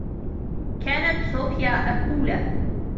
كانت صوفيا أكولة.